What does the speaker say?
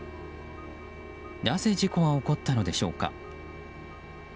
なぜ事故が起こったのでしょうか。